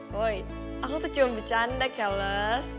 woy aku tuh cuma bercanda keles